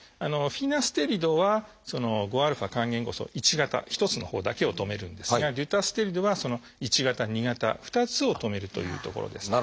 フィナステリドは５α還元酵素Ⅰ型一つのほうだけを止めるんですがデュタステリドはⅠ型Ⅱ型２つを止めるというところですね。